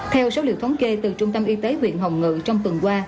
theo số liệu thống kê từ trung tâm y tế huyện hồng ngự trong tuần qua